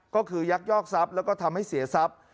ก็คือยักยอกทรัพย์แล้วก็ทำให้เสียทรัพย์